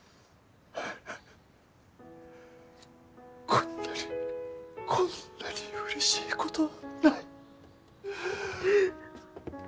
こんなにこんなにうれしいことはない。